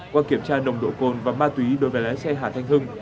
qua kiểm tra nồng độ cồn và ma túy đối với lái xe hà thanh hưng